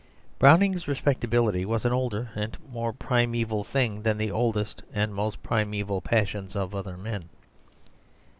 Browning's respectability was an older and more primeval thing than the oldest and most primeval passions of other men.